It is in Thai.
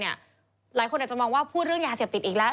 หลายคนอาจจะมองว่าพูดเรื่องยาเสพติดอีกแล้ว